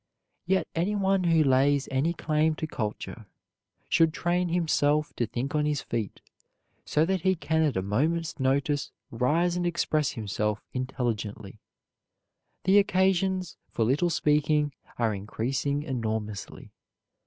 Yet anyone who lays any claim to culture, should train himself to think on his feet, so that he can at a moment's notice rise and express himself intelligently. The occasions for little speaking are increasing enormously.